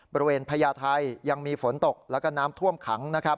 บริเวณพระยาทิตยังมีฝนตกแล้วก็น้ำท่วมขัง